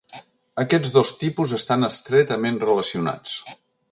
Aquests dos tipus estan estretament relacionats.